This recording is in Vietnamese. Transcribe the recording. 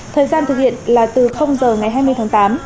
thời gian thực hiện là từ giờ ngày hai mươi tháng tám